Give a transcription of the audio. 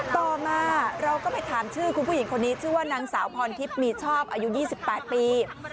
ต่อมาเราก็ไปถามชื่อคุณผู้หญิงคนนี้ชื่อว่านางสาวพรทิพย์มีชอบอายุ๒๘ปี